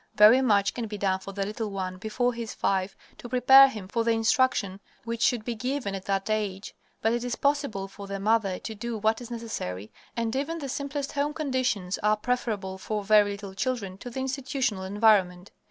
Very much can be done for the little one before he is five to prepare him for the instruction which should be given at that age, but it is possible for the mother to do what is necessary, and even the simplest home conditions are preferable for very little children to the institutional environment.